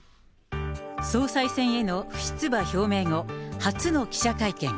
総裁選への不出馬表明後、初の記者会見。